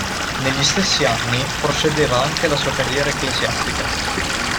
Negli stessi anni procedeva anche la sua carriera ecclesiastica.